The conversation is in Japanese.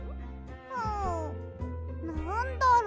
んなんだろう？